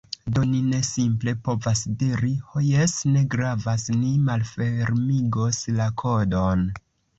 Do, ni ne simple povas diri, "Ho jes, ne gravas... ni malfermigos la kodon"